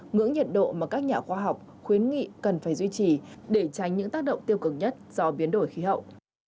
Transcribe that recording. ngưỡng nhiệt độ mà các nhà khoa học khuyến nghị cần phải duy trì để tránh những tác động tiêu cực nhất do biến đổi khí hậu